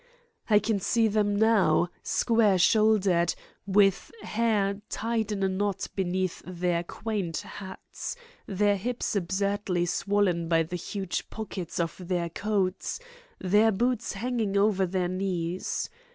I can see them now, square shouldered, with hair tied in a knot beneath their quaint hats, their hips absurdly swollen by the huge pockets of their coats, their boots hanging over their knees.